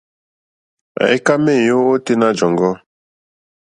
Àyíkâ méěyó ôténá jɔ̀ŋgɔ́.